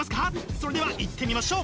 それではいってみましょう！